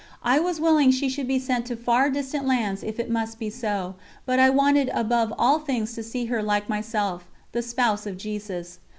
I was willing she should be sent to far distant lands if it must be so; but I wanted above all things to see her like myself, the Spouse of Jesus.